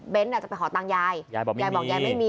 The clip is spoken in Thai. จะไปขอตังค์ยายยายบอกยายยายบอกยายไม่มี